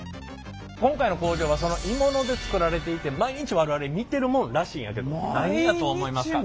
今回の工場はその鋳物で作られていて毎日我々見てるもんらしいんやけど何やと思いますか。